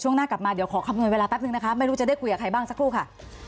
ช่วงหน้ากลับมาเดี๋ยวขอคำนวณเวลาไม่รู้จะได้คุยกับใครบ้างสักครู่ค่ะ